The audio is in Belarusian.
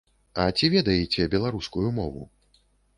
А ці ведаеце беларускую мову?